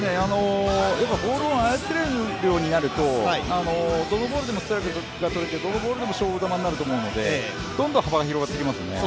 やっぱボールを操れるようになるとどのボールでもストライクがとれてどのボールでも勝負球になると思うのでどんどん幅が広がっていきますよね。